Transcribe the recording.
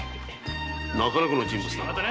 なかなかの人物だな。